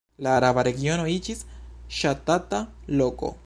La arbara regiono iĝis ŝatata loko.